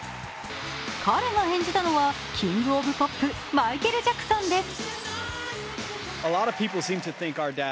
彼が演じたのはキング・オブ・ポップ、マイケル・ジャクソンです。